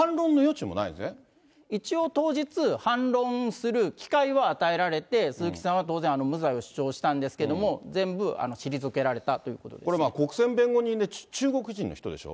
一応、当日、反論する機会は与えられて、鈴木さんは当然無罪を主張したんですけれども、全部退けられたとこれ、国選弁護人が中国人の人でしょ。